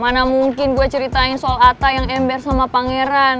mana mungkin gue ceritain soal atta yang ember sama pangeran